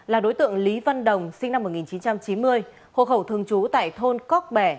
là đối tượng lý văn đồng sinh năm một nghìn chín trăm chín mươi hộ khẩu thường trú tại thôn cốc bẻ